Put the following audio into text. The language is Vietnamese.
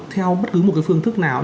theo bất cứ một cái phương thức nào